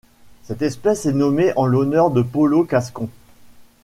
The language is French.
Cette espèce est nommée en l'honneur de Paulo Cascon.